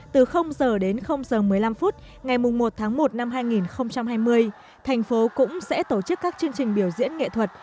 từ h đến h một mươi năm phút ngày một một hai nghìn hai mươi thành phố cũng sẽ tổ chức các chương trình biểu diễn nghệ thuật